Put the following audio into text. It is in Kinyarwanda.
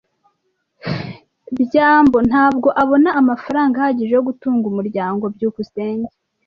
byambo ntabwo abona amafaranga ahagije yo gutunga umuryango. byukusenge